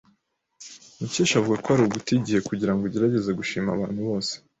Mukesha avuga ko ari uguta igihe kugirango ugerageze gushimisha abantu bose.